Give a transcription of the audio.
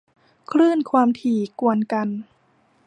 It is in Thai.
คลื่นความถี่กวนกัน